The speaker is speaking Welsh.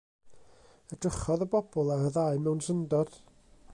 Edrychodd y bobl ar y ddau mewn syndod.